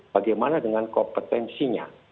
bagaimana dengan kompetensinya